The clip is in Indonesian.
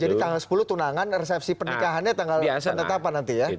jadi tanggal sepuluh tunangan resepsi pernikahannya tanggal penetapan nanti ya